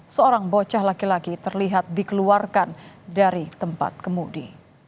seorang bocah laki laki terlihat dikeluarkan dari tempat kemudi